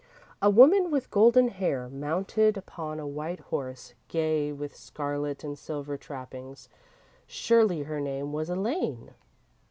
A woman with golden hair, mounted upon a white horse, gay with scarlet and silver trappings surely her name was Elaine?